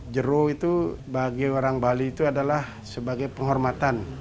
jero itu bagi orang bali itu adalah sebagai penghormatan